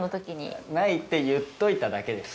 いやないって言っといただけです。